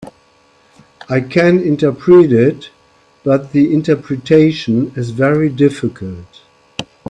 I can interpret it, but the interpretation is very difficult.